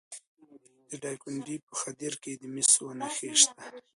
د دایکنډي په خدیر کې د مسو نښې شته.